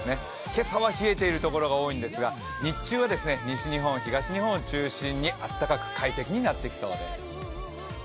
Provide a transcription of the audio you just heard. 今朝は冷えているところが多いんですが日中は西日本、東日本を中心にあったかく快適になっていきそうです。